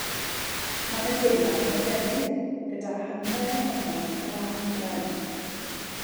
Mae'n adeilad nodedig gyda hanner ohono'n ffrâm bren.